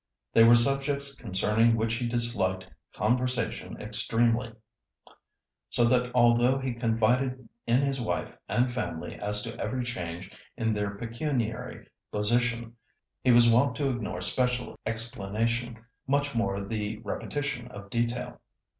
They were subjects concerning which he disliked conversation extremely, so that although he confided in his wife and family as to every change in their pecuniary position, he was wont to ignore special explanation, much more the repetition of detail.